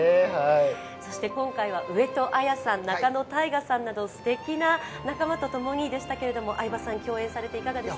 今回は上戸彩さん、仲野太賀さんなどすてきな仲間と共にでしたけど、相葉さん、共演されていかがでした？